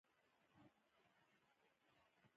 اوښ د افغان کلتور او لرغونو دودونو سره تړاو لري.